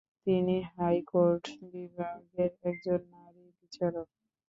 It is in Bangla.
তিনি হাইকোর্ট বিভাগের একজন নারী বিচারক।